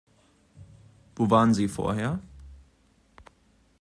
Wo waren Sie vorher?